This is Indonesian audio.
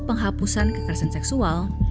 penghapusan kekresan seksual